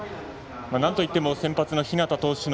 なんといっても先発の日當投手の